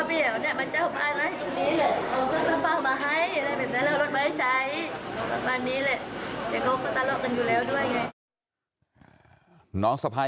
พี่แหววมันจะบ้านเอาแบบนี้เพราะมันเข้ามาให้